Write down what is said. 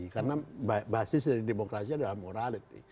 karena basis dari demokrasi adalah morality